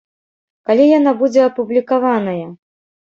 Калі яна будзе апублікаваная?